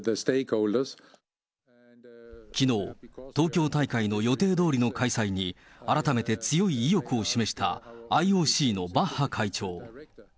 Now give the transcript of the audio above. きのう、東京大会の予定どおりの開催に改めて強い意欲を示したＩＯＣのバッハ会長。